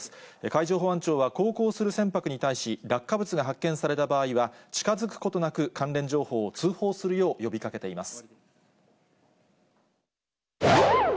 海上保安庁は航行する船舶に対し、落下物が発見された場合は、近づくことなく関連情報を通報するよう呼びかけています。